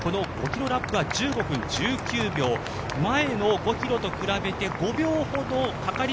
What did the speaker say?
この５ｋｍラップは１５分１９秒前の５ｋｍと比べて５秒ほど。